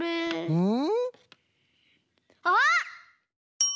うん！